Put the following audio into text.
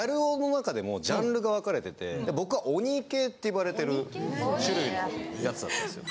ジャンルが分かれてて僕は。って呼ばれてる種類のやつだったんですよ。